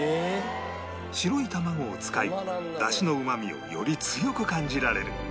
白い卵を使い出汁のうまみをより強く感じられる